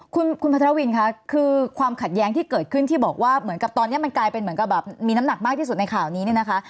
คุณพัทรวินค่ะคือความขัดแย้งที่เกิดขึ้นที่บอกว่าเหมือนกับตอนนี้มันกลายเป็นเหมือนกับแบบมีน้ำหนักมากที่สุดในข่าวนี้เนี่ยนะคะ